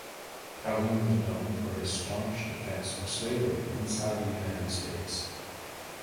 Calhoun was known was for his staunch defense of slavery inside the United States.